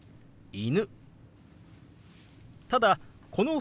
「犬」。